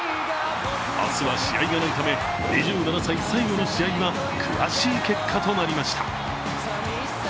明日は試合がないため２７歳最後の試合は悔しい結果となりました。